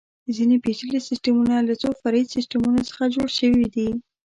ځینې پېچلي سیسټمونه له څو فرعي سیسټمونو څخه جوړ شوي دي.